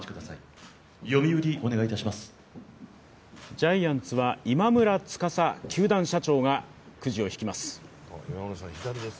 ジャイアンツは今村司球団社長がくじを引きます。